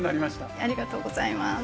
ありがとうございます。